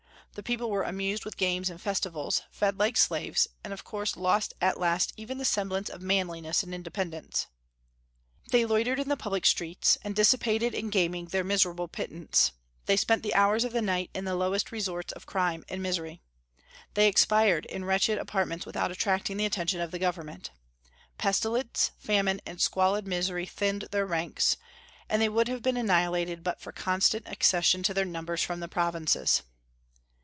The people were amused with games and festivals, fed like slaves, and of course lost at last even the semblance of manliness and independence. They loitered in the public streets, and dissipated in gaming their miserable pittance; they spent the hours of the night in the lowest resorts of crime and misery; they expired in wretched apartments without attracting the attention of government; pestilence, famine, and squalid misery thinned their ranks, and they would have been annihilated but for constant accession to their numbers from the provinces.